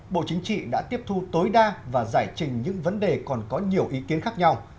bộ chính trị đã tiếp thu tối đa và giải trình những vấn đề còn có nhiều ý kiến khác nhau